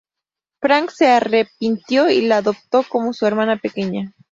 Frank se arrepintió y la adoptó como su hermana pequeña.